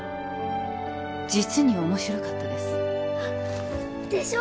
実に面白かったですでしょ